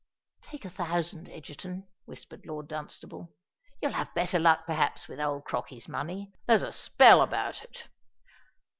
"Take a thousand, Egerton," whispered Lord Dunstable. "You'll have better luck, perhaps, with old Crockey's money—there's a spell about it."